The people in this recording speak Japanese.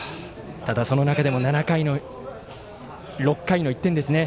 ただ、その中でも６回の１点ですね。